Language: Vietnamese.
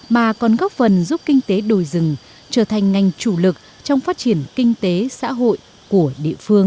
mà còn góp phần giúp kinh tế đồi rừng trở thành ngành chủ lực trong phát triển kinh tế xã hội của địa phương